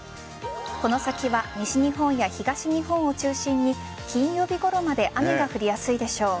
この先は西日本や東日本を中心に金曜日ごろまで雨が降りやすいでしょう。